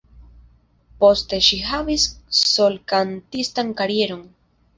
Poste ŝi havis solkantistan karieron.